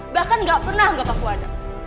bahkan gak pernah anggap aku ada